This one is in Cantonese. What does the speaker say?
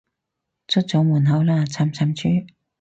出咗門口喇，慘慘豬